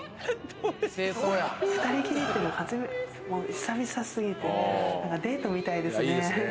２人きりって、初めて、なんか久々すぎて、デートみたいですね。